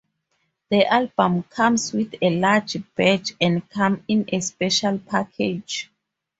The album comes with a large badge and comes in a special package.